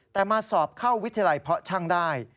แต่มาสอบเข้าวิทยาลัยเพาะช่างได้